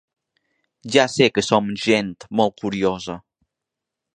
Ja sé que som gent molt curiosa.